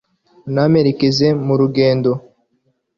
unamperekeze mu rugendo